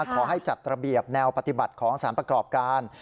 ขอให้จัดระเบียบแนวปฏิบัติของสารประกอบการ